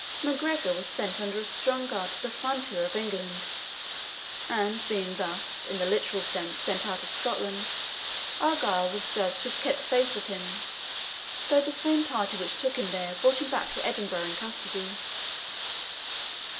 MacGregor was sent under a strong guard to the frontier of England, and being thus, in the literal sense, sent out of Scotland, Argyle was judged to have kept faith with him, though the same party which took him there brought him back to Edinburgh in custody.